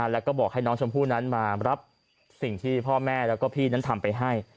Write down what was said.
แล้วก็บอกให้น้องชมพู่นั้นมารับสิ่งที่พ่อแม่แล้วก็พี่นั้นทำไปให้